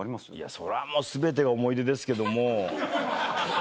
そりゃもう全てが思い出ですけどもまぁ。